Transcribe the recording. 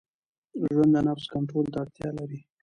ژوند د نفس کنټرول ته اړتیا لري.